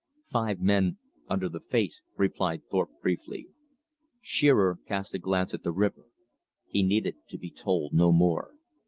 "Five men under the face," replied Thorpe briefly. Shearer cast a glance at the river. He needed to be told no more.